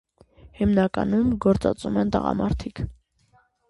Հիմնականում գործածում են տղամարդիկ։